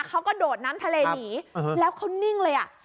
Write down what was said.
เขากระโดดน้ำทะเลหนีแล้วเขานิ่งเลยอ่ะ